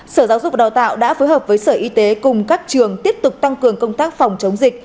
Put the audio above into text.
sở giáo dục và đào tạo đã phối hợp với sở y tế cùng các trường tiếp tục tăng cường công tác phòng chống dịch